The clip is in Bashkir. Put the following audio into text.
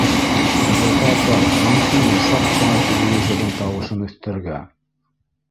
— Рәйфә апай, мөмкинме саҡ ҡына телевизорҙың тауышын өҫтәргә!